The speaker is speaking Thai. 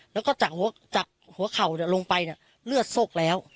แล้วก็จากหัวเข่าลงไปเลือดโซกแล้ว